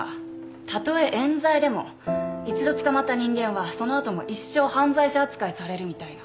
たとえ冤罪でも一度捕まった人間はその後も一生犯罪者扱いされるみたいな。